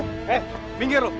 hei binggir lu